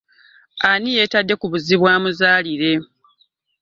Ani yeetadde ku buzibu omuzaalire.